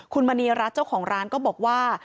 คุณมณีรัฐเจ้าของร้านก็บอกว่า